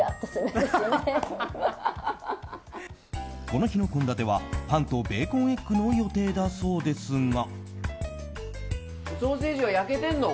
この日の献立はパンとベーコンエッグの予定だそうですが。